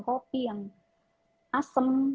kopi yang asem